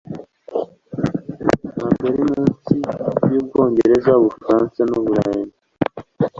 Ntabwo ari munsi y'Ubwongereza, Ubufaransa, n'Ubutaliyani.